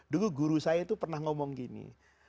dulu guru saya itu pernah ngomong gini